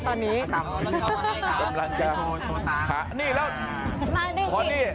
ตอนนี้ต้องกลับมาให้ค่ะต้องกลับมาให้ค่ะต้องกลับมาให้ค่ะต้องกลับมาให้ค่ะ